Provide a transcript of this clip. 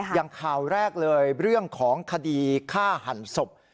อย่างข่าวแรกเลยเรื่องของคดีฆ่าหันศพ